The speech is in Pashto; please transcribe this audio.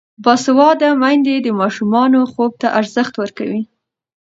باسواده میندې د ماشومانو خوب ته ارزښت ورکوي.